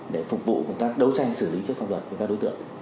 để phục vụ công tác đấu tranh xử lý trước pháp luật của các đối tượng